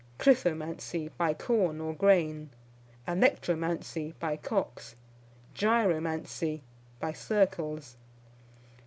Krithomancy, by corn or grain. Alectromancy, by cocks. Gyromancy, by circles.